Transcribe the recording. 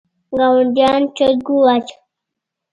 ګاونډیانو چرګ وواژه.